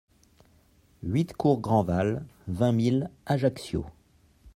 huit cours Grandval, vingt mille Ajaccio